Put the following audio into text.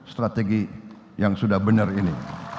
strategi yang sudah benar ini